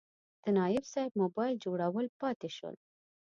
د تایب صیب موبایل جوړول پاتې شول.